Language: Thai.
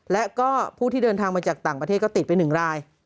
และก็ผู้ที่เดินทางมาจากต่างประเทศก็ติดไป๑ราย